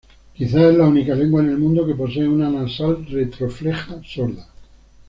Quizás es la única lengua en el mundo que posee una nasal retrofleja sorda.